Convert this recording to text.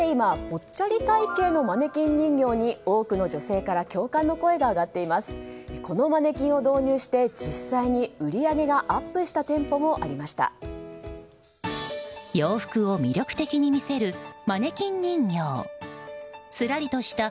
このマネキンを導入して実際に売り上げがアップした店舗もありました。